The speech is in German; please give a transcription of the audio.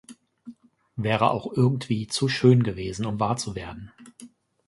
Wäre auch irgendwie zu schön gewesen, um wahr zu werden.